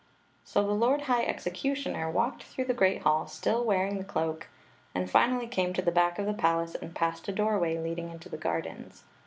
So the lord high executioner walked through the great hall, still wearing the cloak, and finally came to the back of the palace and passed a doorway leading into the gardens.